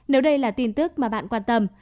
nếu đây là tin tức mà bạn quan tâm